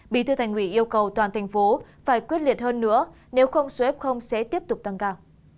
bí thư thành ủy yêu cầu toàn thành phố phải quyết liệt hơn nữa nếu không số f sẽ tiếp tục tăng cao